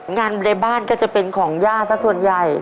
งานในบ้านก็จะเป็นของย่าซะส่วนใหญ่